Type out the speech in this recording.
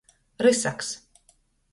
Rysaks.